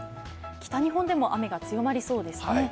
北日本でも雨が強まりそうですね。